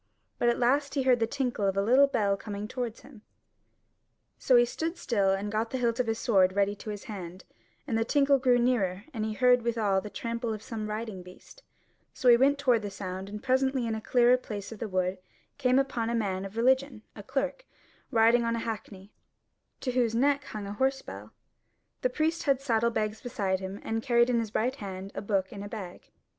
But at last he heard the tinkle of a little bell coming towards him: so he stood still and got the hilt of his sword ready to his hand; and the tinkle drew nearer, and he heard withal the trample of some riding beast; so he went toward the sound, and presently in a clearer place of the wood came upon a man of religion, a clerk, riding on a hackney, to whose neck hung a horse bell: the priest had saddle bags beside him and carried in his right hand a book in a bag.